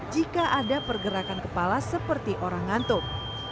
jika ada pergerakan kepala seperti orang ngantuk